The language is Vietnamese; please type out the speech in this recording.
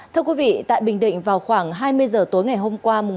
thưa quý vị tại bình định vào khoảng hai mươi giờ tối ngày hôm qua